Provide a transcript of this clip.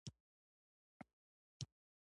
ښتې د افغانستان د کلتوري میراث برخه ده.